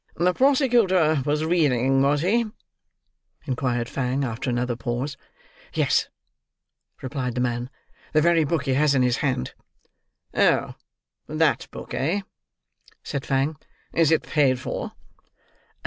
"The prosecutor was reading, was he?" inquired Fang, after another pause. "Yes," replied the man. "The very book he has in his hand." "Oh, that book, eh?" said Fang. "Is it paid for?"